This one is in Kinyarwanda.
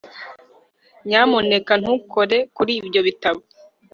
nyamuneka ntukore kuri ibyo bitabo